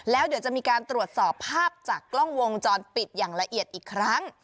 แล้วเดี๋ยวจะมีการตรวจสอบภาพจากกล้องวงจรปิดอย่างละเอียดอีกครั้ง